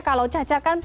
kalau cacar kan